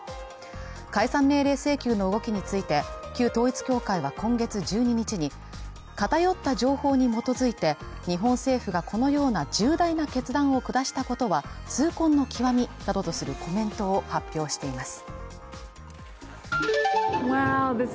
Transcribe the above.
解散命令請求の動きについて、旧統一教会は今月１２日に、偏った情報に基づいて日本政府がこのような重大な決断を下したことは、痛恨の極みなどとするコメントを発表しています。